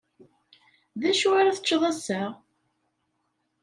D acu ara teččeḍ ass-a?